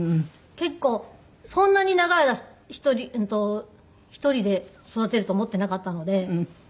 結構そんなに長い間１人で育てると思っていなかったので。